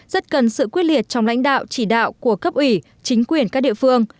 rất cần sự quyết liệt trong lãnh đạo chỉ đạo của cấp ủy chính quyền các địa phương